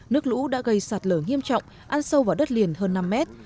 nước lũ đã gây sạt lở nghiêm trọng ăn sâu vào đất liền hơn năm mét